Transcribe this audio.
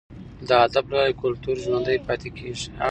د ادب له لارې کلتور ژوندی پاتې کیږي.